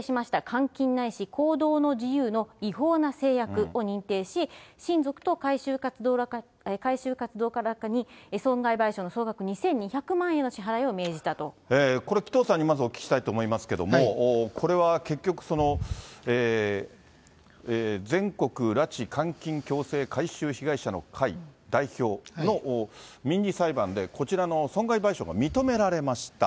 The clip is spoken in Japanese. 監禁ないし行動の自由の違法な制約を認定し、親族と改宗活動家らに損害賠償の総額２２００万円の支払いを命じこれ、紀藤さんにまずお聞きしたいと思いますけれども、これは結局、全国拉致監禁強制改宗被害者の会の代表の民事裁判で、こちらの損害賠償が認められました。